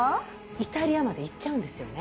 イタリアまで行っちゃうんですよね。